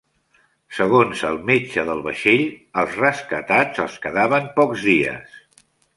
Segons el metge del vaixell, als rescatats els quedaven pocs dies.